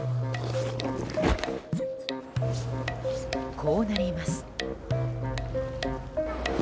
こうなります。